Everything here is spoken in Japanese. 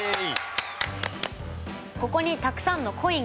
ここにたくさんのコインがあります。